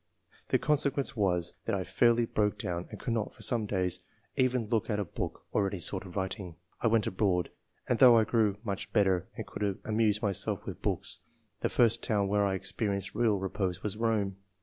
The consequence was, that I fairly broke down, and could not, for some days, even look at a book or any sort of writing. I went abroad ; and though I grew much better and could amuse myself with books, the first town where I ex perienced real repose was Rome.